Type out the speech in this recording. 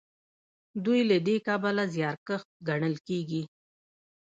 دوی له دې کبله زیارکښ ګڼل کیږي.